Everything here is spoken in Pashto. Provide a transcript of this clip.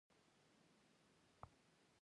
ایا ستاسو قد لوړ نه دی؟